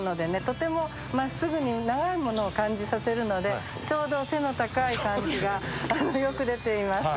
とてもまっすぐに長いものを感じさせるのでちょうど背の高い感じがよく出ています。